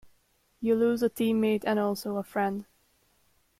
You lose a teammate and also a friend.